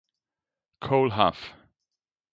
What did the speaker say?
Cole Huff